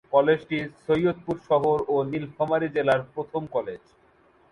কলেজটি সৈয়দপুর শহর ও নীলফামারী জেলার প্রথম কলেজ।